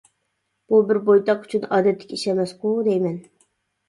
بۇ بىر بويتاق ئۈچۈن ئادەتتىكى ئىش ئەمەسقۇ دەيمەن.